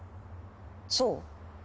そう？